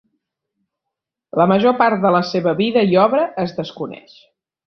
La major part de la seva vida i obra es desconeix.